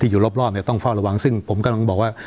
อยู่รอบเนี่ยต้องเฝ้าระวังซึ่งผมกำลังบอกว่า